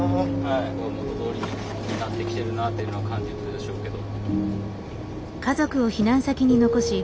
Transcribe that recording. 元どおりになってきてるなっていうのは感じるでしょうけど。